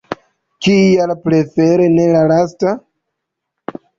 Kial prefere ne la lasta?